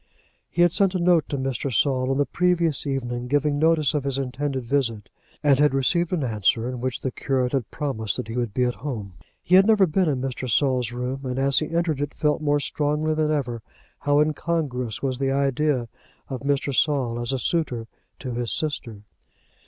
He had sent a note to Mr. Saul on the previous evening giving notice of his intended visit, and had received an answer, in which the curate had promised that he would be at home. He had never before been in Mr. Saul's room, and as he entered it, felt more strongly than ever how incongruous was the idea of Mr. Saul as a suitor to his sister.